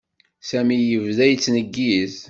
Sami yebda yettneggiz.